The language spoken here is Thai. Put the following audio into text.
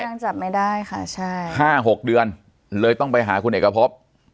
ยังจับไม่ได้ค่ะใช่ห้าหกเดือนเลยต้องไปหาคุณเอกพบ